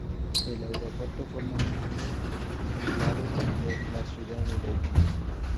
El aeropuerto forma un enclave de la ciudad de Dayton.